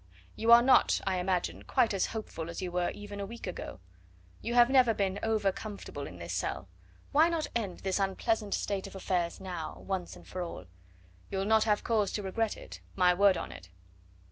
You are not, I imagine, quite as hopeful as you were even a week ago,... you have never been over comfortable in this cell, why not end this unpleasant state of affairs now once and for all? You'll not have cause to regret it. My word on it."